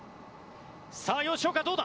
さあ吉岡どうだ？